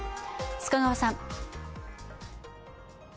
須賀川さん。